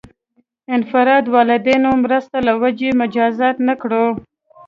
افراد والدینو مرسته له وجې مجازات نه کړو.